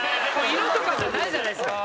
色とかじゃないじゃないですか。